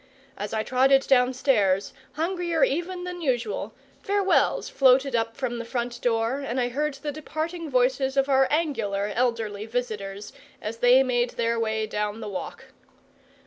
As I trotted downstairs, hungrier even than usual, farewells floated up from the front door, and I heard the departing voices of our angular elderly visitors as they made their way down the walk.